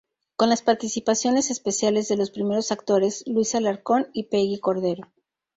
Con las participaciones especiales de los primeros actores Luis Alarcón y Peggy Cordero.